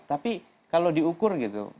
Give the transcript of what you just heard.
tapi kalau diukur gitu